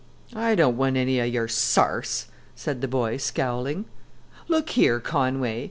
"I don't want any of your sarse," said the boy, scowling. "Look here, Conway!"